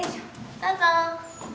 どうぞ。